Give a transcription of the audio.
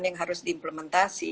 yang harus diimplementasi